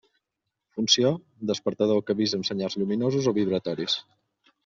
Funció: despertador que avisa amb senyals lluminosos o vibratoris.